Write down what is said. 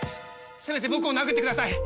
せめて僕を殴ってください。